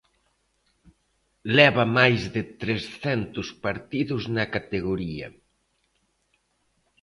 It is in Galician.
Leva máis de trescentos partidos na categoría.